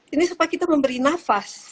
ini supaya kita memberi nafas